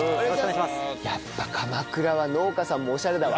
やっぱ鎌倉は農家さんもオシャレだわ。